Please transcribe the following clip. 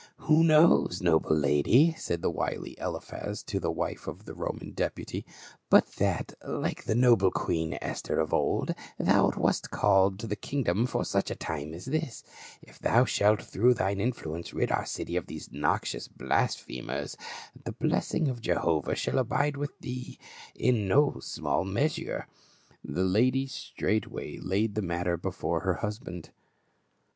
"Who knows, noble lady," said the wily Eliphaz to the wife of the Roman deputy, " but tiiat, like the noble queen Esther of old, thou wast called to the kingdom for such a time as this ; if thou shalt through thine influence rid our city of these noxious blas phemers, the blessing of Jehovah shall abide with thee In no small measure." A LIGHT OF THE GENTILES. 289 The lady straightway laid the matter before her husband.